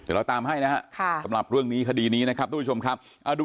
เดี๋ยวเราตามให้นะครับสำหรับเรื่องนี้คดีนี้นะครับทุกผู้ชมครับ